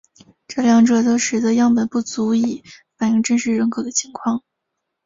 这两者都使得样本不足以反映真实人口的情况。